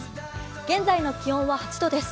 現在の気温は８度です。